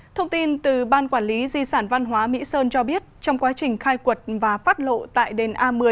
thông tin từ ban quản lý di sản văn hóa mỹ sơn cho biết trong quá trình khai quật và phát lộ tại đền a một mươi